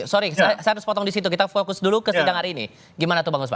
sorry saya harus potong di situ kita fokus dulu ke sidang hari ini gimana tuh bang usman